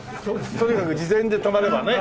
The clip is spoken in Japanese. とにかく事前で止まればね